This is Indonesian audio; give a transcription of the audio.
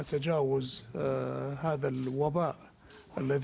untuk mengelakkan wabak ini